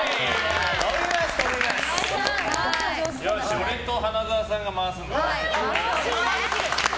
俺と花澤さんが回すんだな。